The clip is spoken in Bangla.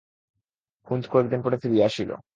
কুন্দ কয়েকদিন পরে ফিরিয়া আসিল।